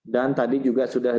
dan tadi juga sudah